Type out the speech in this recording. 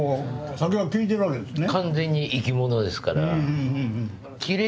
酒は聞いてるわけですね。